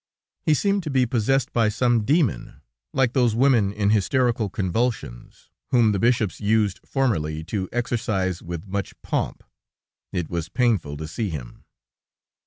He seemed to be possessed by some demon, like those women in hysterical convulsions, whom the bishops used formerly to exorcise writh much pomp. It was painful to see him."